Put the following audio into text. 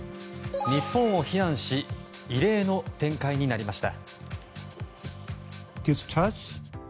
日本を非難し異例の展開になりました。